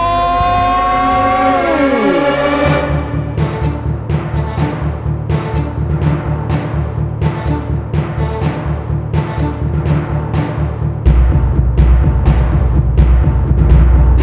ได้ไง